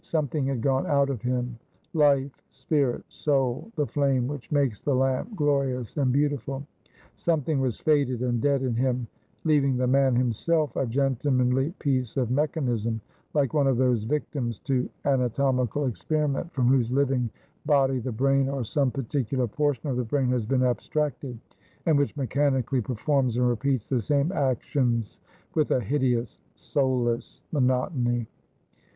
Something had gone out of him — life, spirit, soul, the flame which makes the lamp glorious and beautiful ; something was faded and dead in him ; leaving the man himself a gentlemanly piece of mechanism, like one of those victims to anatomical experiment from whose living body the brain, or some particular portion of the brain, has been abstracted, and which mechanically performs and repeats the same actions with a hideous soulless monotony.